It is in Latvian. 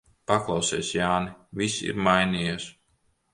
Paklausies, Jāni, viss ir mainījies.